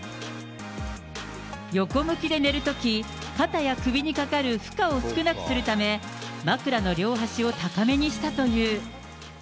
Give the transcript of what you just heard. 横向きで寝るとき、肩や首にかかる負荷を少なくするため、枕の両端を高めにしたという。